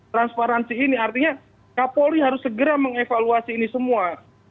transparansi ini artinya kapolri harus segera mengevaluasi ini semua